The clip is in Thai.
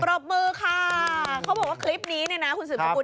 ปรบมือค่ะเขาบอกว่าคลิปนี้นี่นะคุณศึกษากุล